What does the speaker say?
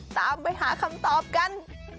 ตามไปหาคำตอบกัน